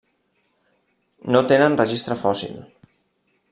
No tenen registre fòssil.